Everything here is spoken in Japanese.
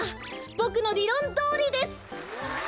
ボクのりろんどおりです！